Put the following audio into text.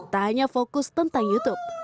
tak hanya fokus tentang youtube